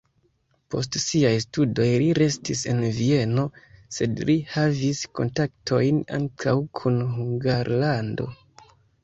Post siaj studoj li restis en Vieno, sed li havis kontaktojn ankaŭ kun Hungarlando.